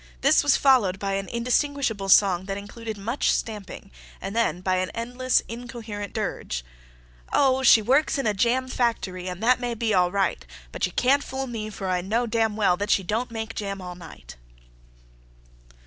This was followed by an indistinguishable song that included much stamping and then by an endless, incoherent dirge. "Oh h h h h She works in a Jam Factoree And—that may be all right But you can't fool me For I know—DAMN—WELL That she DON'T make jam all night!